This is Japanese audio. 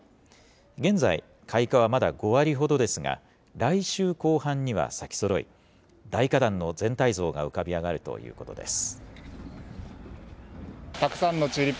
現在、開花はまだ５割ほどですが、来週後半には咲きそろい、大花壇の全体像が浮かび上がるということです。